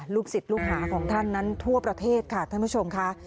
ศิษย์ลูกหาของท่านนั้นทั่วประเทศค่ะท่านผู้ชมค่ะ